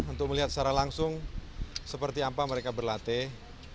untuk melihat secara langsung seperti apa mereka berlatih